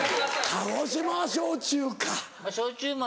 鹿児島は焼酎か。